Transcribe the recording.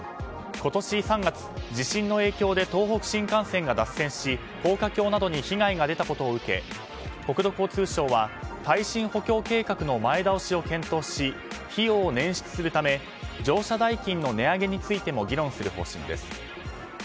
今年３月、地震の影響で東北新幹線が脱線し高架橋などに被害が出たことを受け国土交通省は耐震補強計画の前倒しを検討し費用をねん出するため乗車代金の値上げについても議論する方針です。